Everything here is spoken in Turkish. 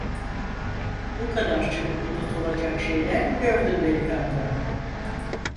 Bu kadar çabuk unutulacak şeyler mi gördün delikanlı?